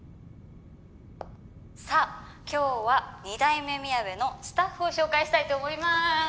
「さあ今日は二代目みやべのスタッフを紹介したいと思いまーす！」